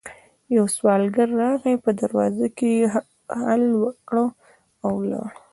يو سوالګر راغی، په دروازه کې يې هل وکړ او ولاړ.